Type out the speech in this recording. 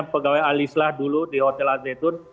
pegawai alislah dulu di hotel azzetun